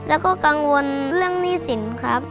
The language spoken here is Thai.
แล้วก็กังวลเรื่องหนี้สินครับ